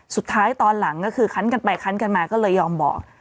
ตอนหลังก็คือคันกันไปคั้นกันมาก็เลยยอมบอก